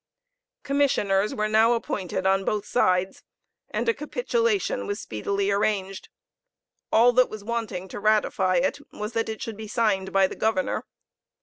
Commissioners were now appointed on both sides, and a capitulation was speedily arranged; all that was wanting to ratify it was that it should be signed by the governor.